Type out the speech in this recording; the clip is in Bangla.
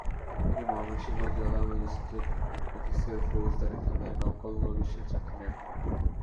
তিনি ময়মনসিংহ জেলা ম্যাজিস্টেট অফিসের ফৌজদারি থানায় নকলনবীশের চাকরি নেন।